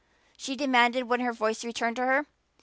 she demanded when voice returned to her.